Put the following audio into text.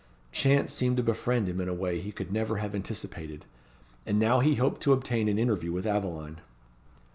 Chance seemed to befriend him in a way he could never have anticipated; and he now hoped to obtain an interview with Aveline.